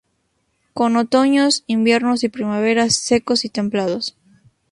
Con otoños, inviernos y primaveras secos y templados.